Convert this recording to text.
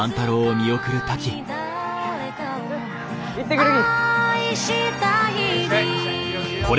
行ってくるき。